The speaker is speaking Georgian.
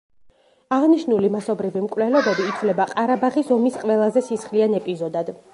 აღნიშნული მასობრივი მკვლელობები ითვლება ყარაბაღის ომის ყველაზე სისხლიან ეპიზოდად.